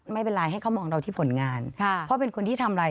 ไม่เป็นไรให้เขามองเราที่ผลงานเพราะเป็นคนที่ทำอะไร